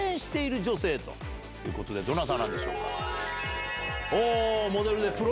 どなたなんでしょうか。